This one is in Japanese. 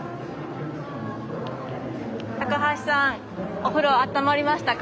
高橋さんお風呂あったまりましたか？